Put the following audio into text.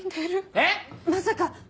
えっ⁉まさか！